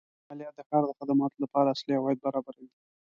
مالیه د ښار د خدماتو لپاره اصلي عواید برابروي.